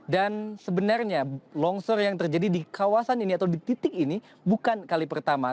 dan sebenarnya longsor yang terjadi di kawasan ini atau di titik ini bukan kali pertama